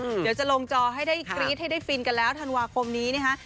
เดี๋ยวจะลงจอให้ได้กรี๊ดให้ได้ฟินกันแล้วธันวาคมนี้นะคะ